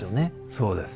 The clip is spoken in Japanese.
そうです。